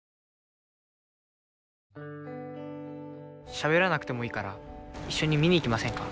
しゃべらなくてもいいから一緒に見に行きませんか？